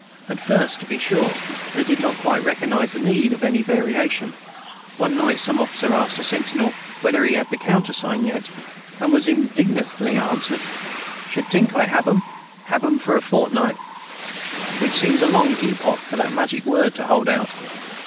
At first, to be sure, they did not quite recognize the need of any variation: one night some officer asked a sentinel whether he had the countersign yet, and was indignantly answered, "Should tink I hab 'em, hab 'em for a fortnight"; which seems a long epoch for that magic word to hold out.